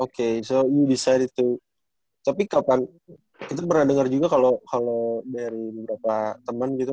oke so you decided to tapi kapan kita pernah dengar juga kalau dari beberapa temen gitu